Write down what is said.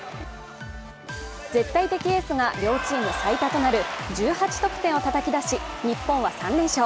絶対的エースが両チーム最多となる１８得点をたたき出し日本は３連勝。